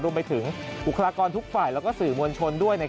รวมไปถึงบุคลากรทุกฝ่ายและสื่อมวลชนด้วย